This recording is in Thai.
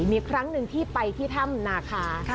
มีครั้งหนึ่งที่ไปที่ถ้ำนาคา